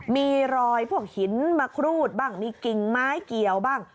มีรอยพวกหินมาครูดบ้างมีกิ่งไม้เกี่ยวบ้าง